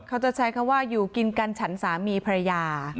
เขาจะใช้คำว่าอยู่กินกันฉันสามีภรรยา